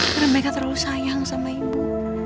karena meka terlalu sayang sama ibu